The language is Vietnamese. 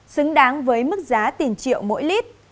xứng đáng với mức giá tiền triệu mỗi lít